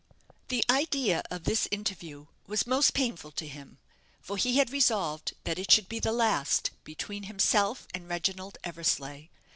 The idea of this interview was most painful to him, for he had resolved that it should be the last between himself and Reginald Eversleigh.